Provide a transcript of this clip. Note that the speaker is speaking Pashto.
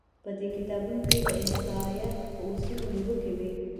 په دې کتابونو کې د عیسایت په اصولو نیوکې وې.